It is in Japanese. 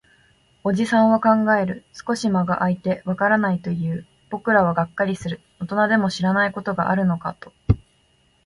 おじさんは考える。少し間が空いて、わからないと言う。僕らはがっかりする。大人でも知らないことがあるのかと。